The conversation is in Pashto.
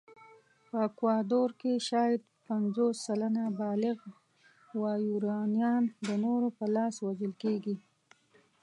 په اکوادور کې شاید پنځوس سلنه بالغ وایورانيان د نورو په لاس وژل کېږي.